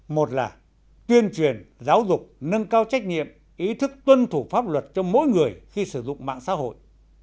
một là tuyên truyền giáo dục nâng cao trách nhiệm ý thức tuân thủ pháp luật cho mỗi người khi sử dụng mạng xã hội